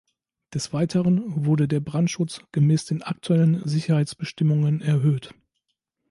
Des Weiteren wurde der Brandschutz gemäß den aktuellen Sicherheitsbestimmungen erhöht.